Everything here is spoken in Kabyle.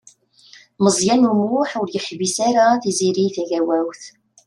Meẓyan U Muḥ ur yeḥbis ara Tiziri Tagawawt.